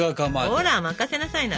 ほら任せなさいな。